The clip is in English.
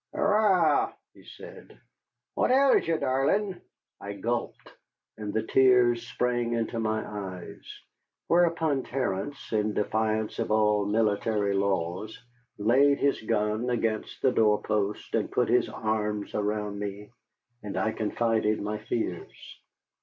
"Arrah," he said, "what ails ye, darlin'?" I gulped and the tears sprang into my eyes; whereupon Terence, in defiance of all military laws, laid his gun against the doorpost and put his arms around me, and I confided my fears.